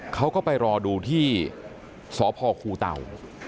เขาก็ไปรอดูที่สพคูเต่า